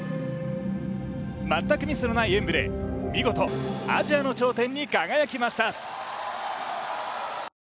全くミスのない演武で見事、アジアの頂点に輝きました。